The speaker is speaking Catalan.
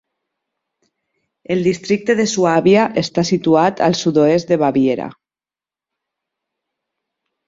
El districte de Suàbia està situat al sud-oest de Baviera.